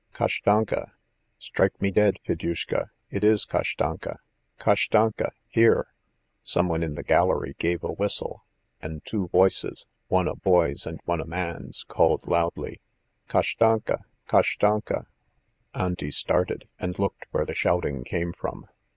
"Kashtanka! Strike me dead, Fedyushka, it is Kashtanka. Kashtanka! here!" Someone in the gallery gave a whistle, and two voices, one a boy's and one a man's, called loudly: "Kashtanka! Kashtanka!" Auntie started, and looked where the shouting came from.